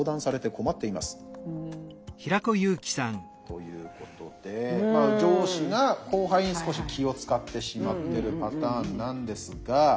ということで上司が後輩に少し気を遣ってしまってるパターンなんですが。